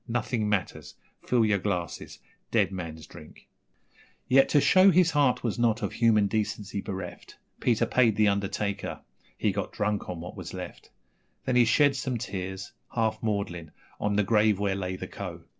Nothing matters! Fill your glasses dead man's drink. ..... Yet, to show his heart was not of human decency bereft, Peter paid the undertaker. He got drunk on what was left; Then he shed some tears, half maudlin, on the grave where lay the Co.